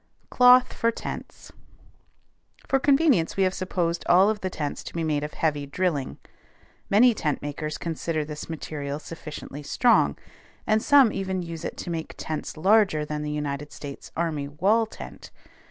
CLOTH FOR TENTS. For convenience we have supposed all of the tents to be made of heavy drilling. Many tent makers consider this material sufficiently strong, and some even use it to make tents larger than the United States army wall tent.